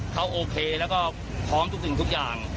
เขาโอเคแล้วก็พร้อมทุกสิ่งทุกอย่าง